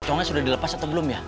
contohnya sudah dilepas atau belum ya